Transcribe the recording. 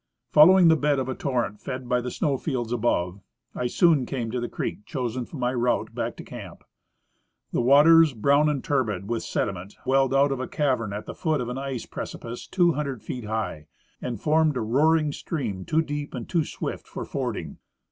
Following the bed of a torrent fed by the snow fields above, I soon came to the creek chosen for my route back to camp ; the waters, brown and turbid with sediment, welled out of a cavern at the foot of an ice precipice 200 feet high, and formed a roaring stream too deep and too swift for fording.